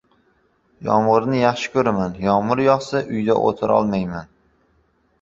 – Yomg‘irni yaxshi ko‘raman. Yomg‘ir yog‘sa uyda o‘tirolmayman.